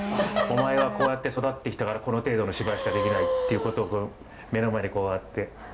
「お前はこうやって育ってきたからこの程度の芝居しかできない」っていうことを目の前でこうやって。